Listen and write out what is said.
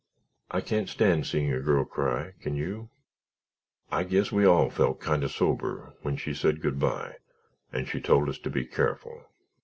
I can't stand seeing a girl cry, can you? I guess we all felt kind of sober when we said good bye and she told us to be careful.